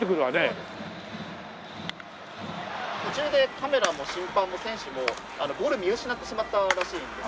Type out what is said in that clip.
途中でカメラも審判も選手もボール見失ってしまったらしいんです。